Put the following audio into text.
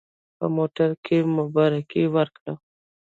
په موټر کې مبارکي ورکړه.